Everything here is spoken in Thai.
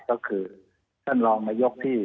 ก็คือท่านรองนายกที่